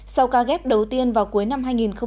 sau ca ghép đầu tiên vào cuối năm hai nghìn một mươi chín